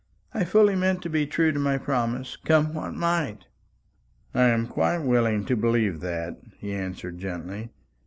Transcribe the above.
I fully meant to be true to my promise, come what might." "I am quite willing to believe that," he answered gently.